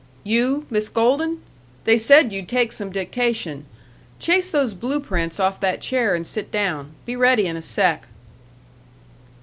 You, Miss Golden? They said you'd take some dictation. Chase those blue prints off that chair and sit down. Be ready in a sec."